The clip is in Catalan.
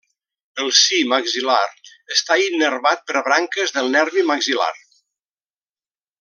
El si maxil·lar està innervat per branques del nervi maxil·lar.